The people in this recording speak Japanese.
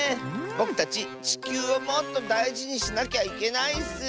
ぼくたちちきゅうをもっとだいじにしなきゃいけないッス！